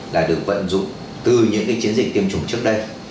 là được vận dụng từ những chiến dịch tiêm chủng trước đây